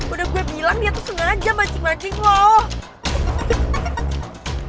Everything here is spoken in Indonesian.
udah gue bilang dia tuh sengaja mancing mancing lo